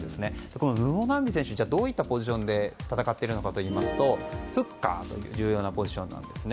このムボナンビ選手はどういったポジションで戦っているかといいますとフッカーという重要なポジションなんですね。